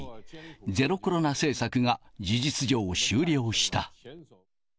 ゼロコロナ政策が事実上、終了した。